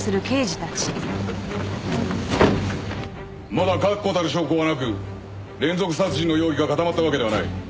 まだ確固たる証拠はなく連続殺人の容疑が固まったわけではない。